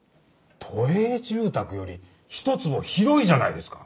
都営住宅より１坪広いじゃないですか。